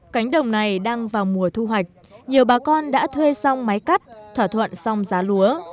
cánh đồng này đang vào mùa thu hoạch nhiều bà con đã thuê xong máy cắt thỏa thuận xong giá lúa